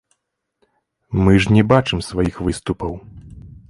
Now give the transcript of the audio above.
Мы ж не бачым сваіх выступаў.